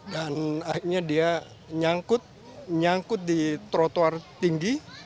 dan akhirnya dia nyangkut nyangkut di trotoar tinggi